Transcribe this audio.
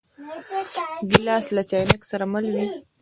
ګیلاس له چاینک سره مل وي.